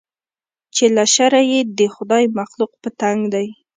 چې له شره یې د خدای مخلوق په تنګ دی